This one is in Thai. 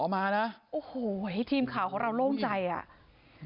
มานะโอ้โหให้ทีมข่าวของเราโล่งใจอ่ะ